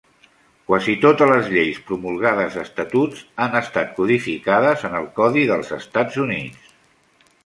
Quasi totes les lleis promulgades estatuts han estat codificades en el Codi dels Estats Units.